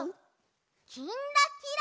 「きんらきら」。